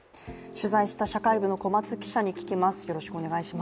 取材した社会部の小松記者に聞きます。